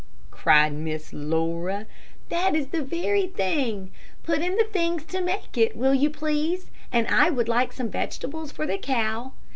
cried Miss Laura. "That is the very thing. Put in the things to make it, will you please, and I would like some vegetables for the cow.